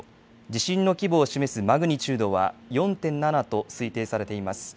地震の規模を示すマグニチュードは４．７と推定されています。